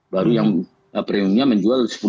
baru yang premiumnya